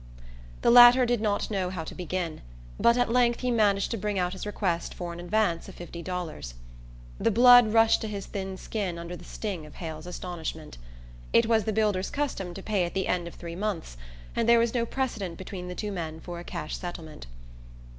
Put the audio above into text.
The latter did not know how to begin, but at length he managed to bring out his request for an advance of fifty dollars. The blood rushed to his thin skin under the sting of Hale's astonishment. It was the builder's custom to pay at the end of three months, and there was no precedent between the two men for a cash settlement.